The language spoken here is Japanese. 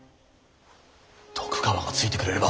徳川がついてくれれば心強いな。